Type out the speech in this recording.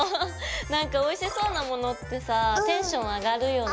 なんかおいしそうなものってさテンション上がるよね！